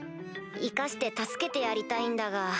生かして助けてやりたいんだが。